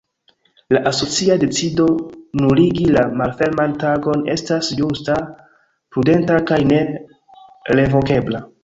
La asocia decido nuligi la Malferman Tagon estas ĝusta, prudenta kaj ne-revokebla.